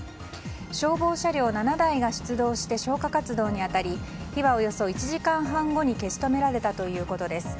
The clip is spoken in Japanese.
消防車両７台が出動して消火活動に当たり火はおよそ１時間半後に消し止められたということです。